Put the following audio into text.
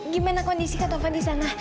gimana kondisi katovan disana